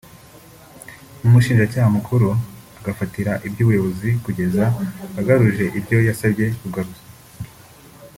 n’umushinjacyaha mukuru agafatira iby’umuyobozi kugeza agaruje ibyo yasabwe kugaruza